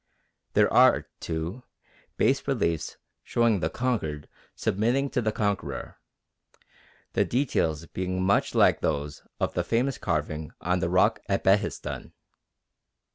There are, too, bas reliefs showing the conquered submitting to the conqueror, the details being much like those of the famous carving on the rock at Behistun.